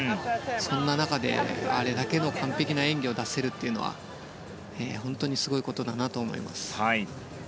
そんな中で、あれだけの完璧な演技を出せるというのは本当にすごいことだなと思います。